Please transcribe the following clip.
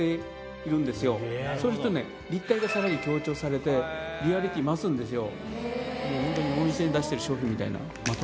ちゃんとねそうするとね立体が更に強調されてリアリティー増すんですよ。